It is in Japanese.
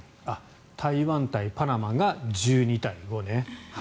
台湾対パナマが１２対５ね。